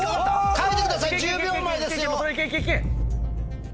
書いてください１０秒前ですよ！